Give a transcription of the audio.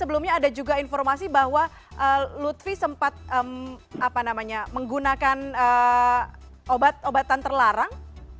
sebelumnya ada juga informasi bahwa lutfi sempat menggunakan obat obatan terlarang